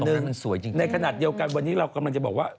สวยจริงในขณะเดียวกันวันนี้เรากำลังจะบอกว่า